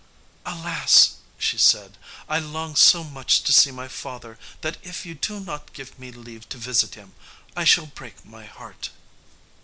"Alas!" she said, "I long so much to see my father that if you do not give me leave to visit him I shall break my heart."